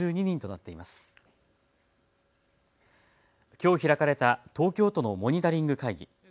きょう開かれた東京都のモニタリング会議。